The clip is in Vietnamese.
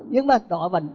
nhưng mà đỏ bẩn